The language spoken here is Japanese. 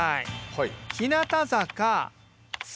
はい。